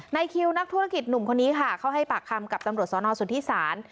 ในคิวนักธุรกิจหนุ่มคนนี้ค่ะเขาให้ปากคำกับตำรวจสนสุธิศาล